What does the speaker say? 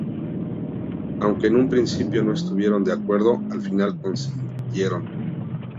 Aunque en un principio no estuvieron de acuerdo, al final consintieron.